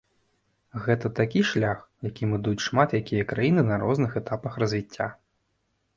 Гэта такі шлях, якім ідуць шмат якія краіны на розных этапах развіцця.